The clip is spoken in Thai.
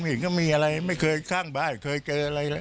เห็นก็มีอะไรไม่เคยข้างบ้านเคยเจออะไร